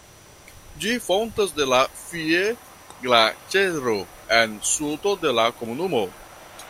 Ĝi fontas de la Fee-Glaĉero en sudo de la komunumo.